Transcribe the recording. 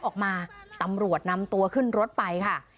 ออกมาตำรวจนำตัวขึ้นรถไปค่ะ